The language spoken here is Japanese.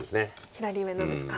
左上のですか。